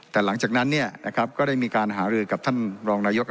แต่หลังจากนั้นเนี้ยนะครับก็ได้มีการหารือกับท่านรองนายก